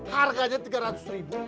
harganya tiga ratus ribu